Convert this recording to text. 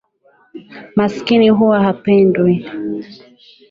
Maskini huwa hapendwi